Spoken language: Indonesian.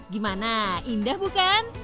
gimana indah bukan